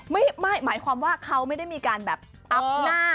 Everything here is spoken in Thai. ไม่หมายความว่าเขาไม่ได้มีการแบบอัพหน้า